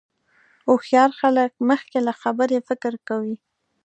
هوښیار خلک مخکې له خبرې فکر کوي.